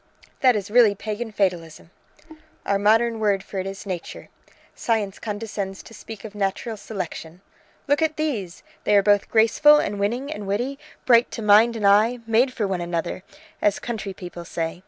"That is really Pagan fatalism!" "Our modern word for it is Nature. Science condescends to speak of natural selection. Look at these! They are both graceful and winning and witty, bright to mind and eye, made for one another, as country people say.